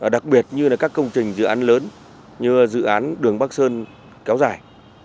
đặc biệt như các công trình dự án lớn như dự án đường bắc sơn kéo dài